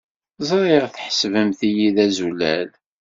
Ẓriɣ tḥesbem-iyi d azulal.